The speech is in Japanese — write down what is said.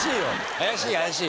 怪しい怪しい。